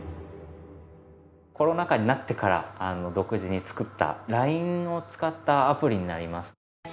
コロナ禍になってから独自に作ったＬＩＮＥを使ったアプリになります。